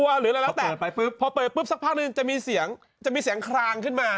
เวลาเพลิบก็จะมีเสียงคลางขึ้นมา